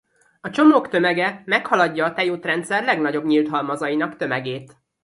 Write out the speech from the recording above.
A csomók tömege meghaladja a Tejútrendszer legnagyobb nyílthalmazainak tömegét.